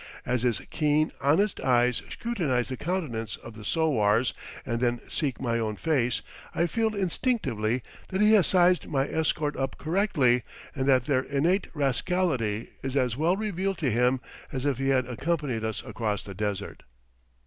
As his keen, honest eyes scrutinize the countenances of the sowars, and then seek my own face, I feel instinctively that he has sized my escort up correctly, and that their innate rascality is as well revealed to him as if he had accompanied us across the desert.